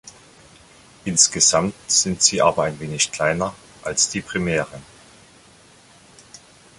Insgesamt sind sie aber ein wenig kleiner, als die Primären.